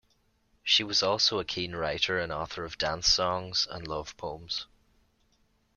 She was also a keen writer and author of dance songs and love poems.